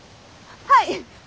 はい！